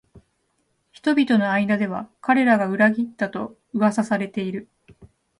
人々の間では彼らが裏切ったと噂されている